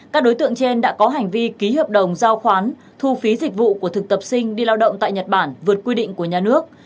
các đối tượng trên đã có hành vi ký hợp đồng giao khoán thu phí dịch vụ của thực tập sinh đi lao động tại nhật bản vượt quy định của nhà nước